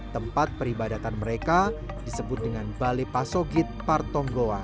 tempat peribadatan mereka disebut dengan balai pasogit partonggoa